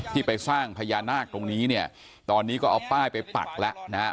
ที่ไปสร้างพญานาคตรงนี้เนี่ยตอนนี้ก็เอาป้ายไปปักแล้วนะครับ